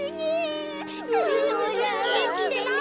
げんきでな。